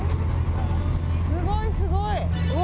すごい、すごい！